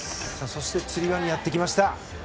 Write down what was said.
そしてつり輪にやってきました。